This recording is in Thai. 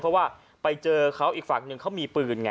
เพราะว่าไปเจอเขาอีกฝั่งหนึ่งเขามีปืนไง